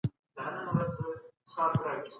محلي حاکمانو د مغولو تګلارې تعقیب کړي.